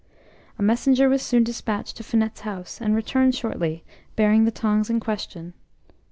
A messenger was soon despatched to Finette's house, and returned shortly, bearing the tongs in question.